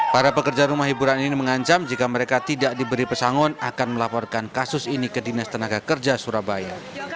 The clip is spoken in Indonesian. para pekerja rumah hiburan ini mengancam jika mereka tidak diberi pesangon akan melaporkan kasus ini ke dinas tenaga kerja surabaya